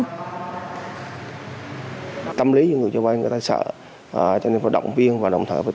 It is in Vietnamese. đồng thời phải tiếp cận rất khó khăn khi mà tiếp cận khi động viên được để người ta trình bài